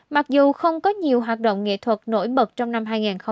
mặc dù không có nhiều hoạt động nghệ thuật nổi bật trong năm hai nghìn hai mươi một